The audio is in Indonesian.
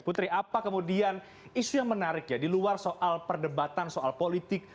putri apa kemudian isu yang menarik ya di luar soal perdebatan soal politik